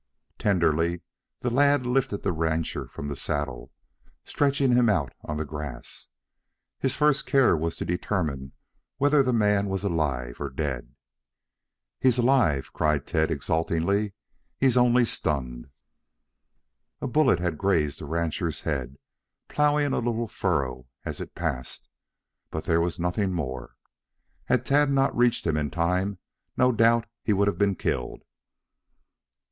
Tenderly the lad lifted the rancher from the saddle, stretching him out on the grass. His first care was to determine whether the man were alive or dead. "He's alive!" cried Tad exultingly. "He's only stunned." A bullet had grazed the rancher's head, ploughing a little furrow as it passed, but there was nothing more. Had Tad not reached him in time no doubt he would have been killed.